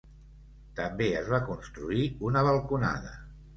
També es va construir una balconada.